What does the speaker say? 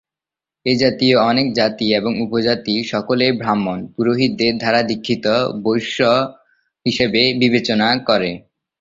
এই জাতীয় অনেক জাতি এবং উপজাতি সকলেই ব্রাহ্মণ পুরোহিতদের দ্বারা দীক্ষিত বৈশ্য হিসাবে বিবেচনা করে।